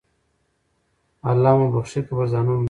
الله مو بخښي که پر ځانونو رحم وکړئ.